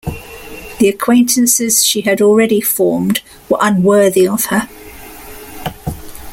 The acquaintances she had already formed were unworthy of her.